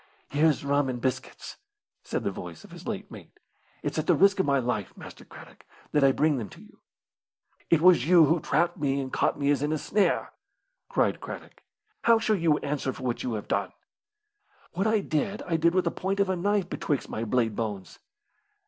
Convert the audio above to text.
"Here's rum and biscuits," said the voice of his late mate. "It's at the risk of my life, Master Craddock, that I bring them to you." "It was you who trapped me and caught me as in a snare!" cried Craddock. "How shall you answer for what you have done?" "What I did I did with the point of a knife betwixt my blade bones."